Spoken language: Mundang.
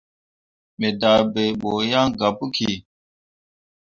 Me dahɓɓe buu yan gah puki.